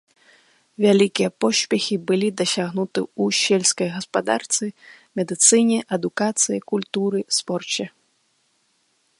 Вялікія поспехі былі дасягнуты ў сельскай гаспадарцы, медыцыне, адукацыі, культуры, спорце.